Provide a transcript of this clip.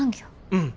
うん。